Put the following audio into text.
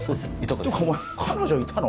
お前彼女いたの？